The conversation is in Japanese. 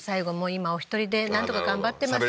今お一人でなんとか頑張ってます